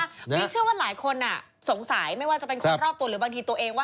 มิ้นเชื่อว่าหลายคนสงสัยไม่ว่าจะเป็นคนรอบตัวหรือบางทีตัวเองว่า